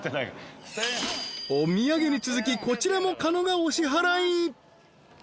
［お土産に続きこちらも狩野がお支払い］